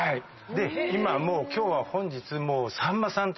で今もう今日は本日。